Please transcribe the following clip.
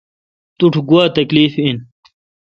تو ٹھ گوا تکلیف این؟